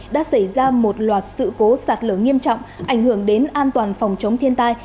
đã xảy ra một loạt sự cố sạt lở nghiêm trọng ảnh hưởng đến an toàn phòng chống thiên tai